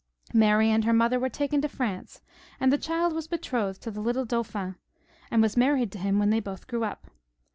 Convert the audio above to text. Mary and her mother were taken to France, and the child was betrothed to the little Dauphin, and was married to him when they both grew up.